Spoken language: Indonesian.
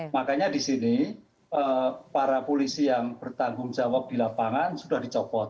makanya di sini para polisi yang bertanggung jawab di lapangan sudah dicopot